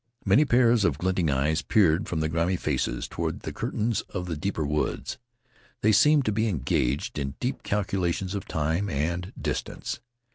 Many pairs of glinting eyes peered from the grimy faces toward the curtains of the deeper woods. They seemed to be engaged in deep calculations of time and distance.